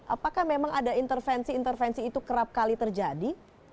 apakah memang ada intervensi intervensi itu kerap kali terjadi